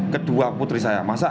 kedua putri saya